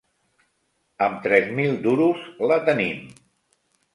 Am tres mil duros la tenim.